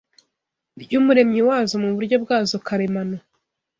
ry’Umuremyi wazo mu buryo bwazo karemano